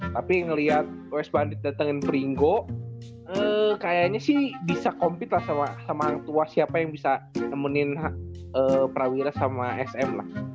tapi ngeliat west bandit datangin pringo kayaknya sih bisa compete lah sama orang tua siapa yang bisa nemenin prawira sama sm lah